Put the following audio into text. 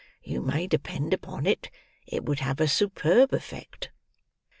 You may depend upon it, it would have a superb effect."